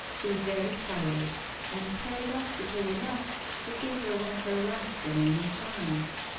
She was very tired and, i)aradoxically enough, it gave her one of her last remaining charms.